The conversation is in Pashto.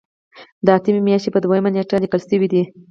دا د اتمې میاشتې په دویمه نیټه لیکل شوی دی.